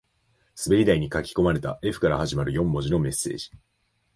滑り台に書き込まれた Ｆ から始まる四文字のメッセージ